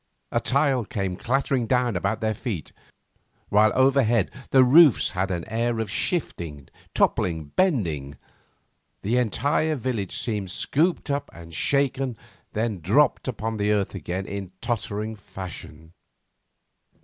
A tile came clattering down about their feet, while overhead the roofs had an air of shifting, toppling, bending. The entire village seemed scooped up and shaken, then dropped upon the earth again in tottering fashion.